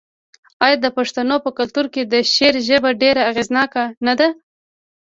آیا د پښتنو په کلتور کې د شعر ژبه ډیره اغیزناکه نه ده؟